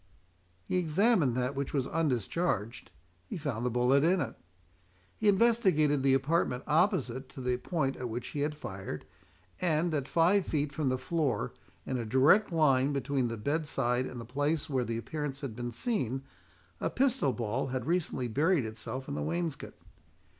He examined that which was undischarged—he found the bullet in it. He investigated the apartment opposite to the point at which he had fired, and, at five feet from the floor in a direct line between the bed side and the place where the appearance had been seen, a pistol ball had recently buried itself in the wainscot.